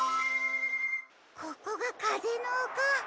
ここがかぜのおか。